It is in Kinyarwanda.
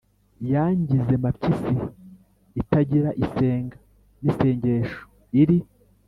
yangize mapyisi itagira isenga, n' isengesho iri.